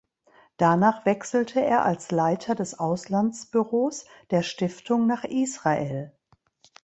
Danach wechselte er als Leiter des Auslandsbüros der Stiftung nach Israel.